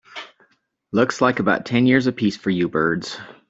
Looks like about ten years a piece for you birds.